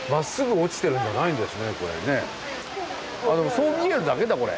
そう見えるだけだこれ。